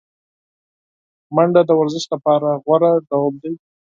منډه د ورزش غوره ډول دی